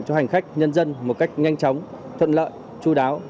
cho hành khách nhân dân một cách nhanh chóng thuận lợi chú đáo